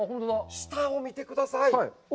下を見てください。